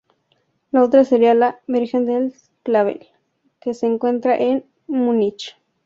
La otra sería la "Virgen del clavel" que se encuentra en Múnich.